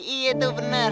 iya tuh bener